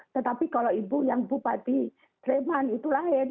tetapi kalau ibu yang bupati sleman itu lain